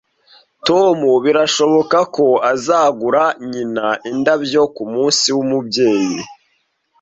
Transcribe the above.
Tom birashoboka ko azagura nyina indabyo kumunsi wumubyeyi